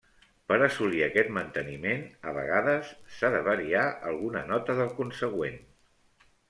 Per assolir aquest manteniment, a vegades, s'ha de variar alguna nota del consegüent.